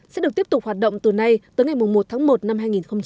sẽ được tiếp tục hoạt động từ nay tới ngày một tháng một năm hai nghìn hai mươi